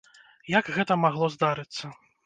Як гэта магло здарыцца?